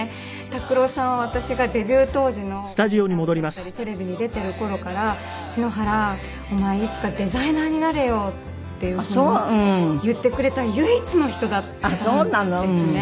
拓郎さんは私がデビュー当時の歌を歌ったりテレビに出てる頃から「篠原お前いつかデザイナーになれよ」っていう風に言ってくれた唯一の人だったんですね。